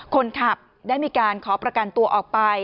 คนขับได้มีการขอประกันตัวออกไป